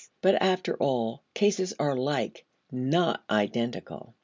But after all, cases are like, not identical.